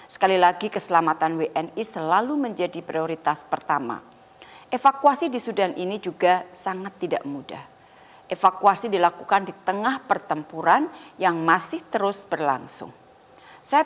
sekali lagi situasi lapangan selamat